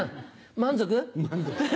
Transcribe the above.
満足。